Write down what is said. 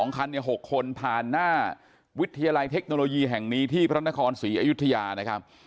คัน๖คนผ่านหน้าวิทยาลัยเทคโนโลยีแห่งนี้ที่พระนครศรีอยุธยานะครับ